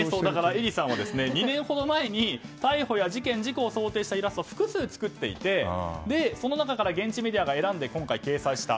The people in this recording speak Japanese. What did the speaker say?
エディさんは２年ほど前に逮捕や事件事故を想定したイラストを複数作っていてその中から現地メディアが選んで今回掲載した。